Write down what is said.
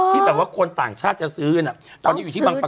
ที่แบบว่าคนต่างชาติจะซื้อน่ะตอนนี้อยู่ที่บังฟา